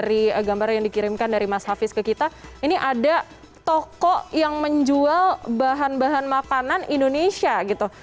dari gambar yang dikirimkan dari mas hafiz ke kita ini ada toko yang menjual bahan bahan makanan indonesia gitu